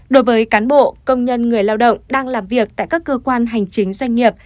đối với cán bộ công nhân người lao động đang làm việc tại các cơ quan hành chính doanh nghiệp